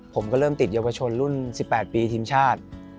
ผมก็เริ่มติดเยาวชนรุ่น๑๘ปีทีมชาติ